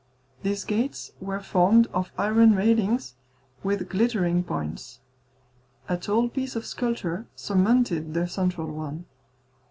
These gates were formed of iron railings, with glittering points. A tall piece of sculpture surmounted the central one.